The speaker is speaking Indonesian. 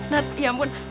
nat ya ampun